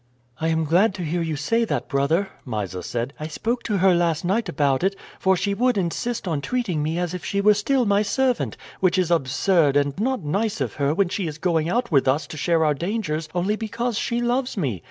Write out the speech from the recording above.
"I am glad to hear you say that, brother," Mysa said. "I spoke to her last night about it, for she would insist on treating me as if she were still my servant; which is absurd, and not nice of her, when she is going out with us to share our dangers only because she loves me.